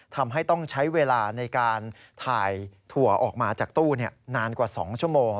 ทำให้ต้องใช้เวลาในการถ่ายถั่วออกมาจากตู้นานกว่า๒ชั่วโมง